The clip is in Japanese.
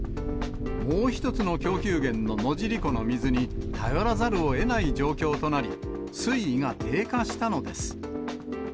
もう１つの供給源の野尻湖の水に頼らざるをえない状況となり、水位が低下したのです。